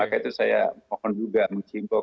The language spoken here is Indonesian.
maka itu saya mohon juga mencibor